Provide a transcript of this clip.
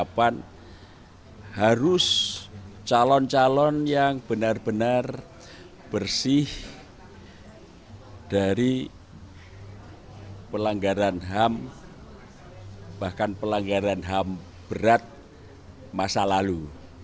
pelanggaran ham bahkan pelanggaran ham berat masa lalu